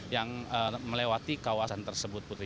yang melewati kawasan tersebut putri